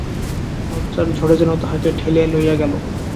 লজ্জার ঝড়ে যেন তাহাকে ঠেলিয়া লইয়া গেল।